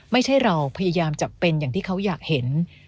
ไม่ใช่เราพยายามจะเป็นอย่างที่เขาอยากเห็น